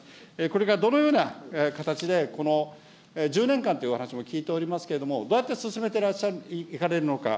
これがどのような形で、１０年間というお話も聞いておりますけれども、どうやって進めていかれるのか。